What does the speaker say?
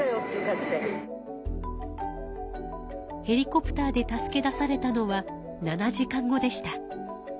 ヘリコプターに助け出されたのは７時間後でした。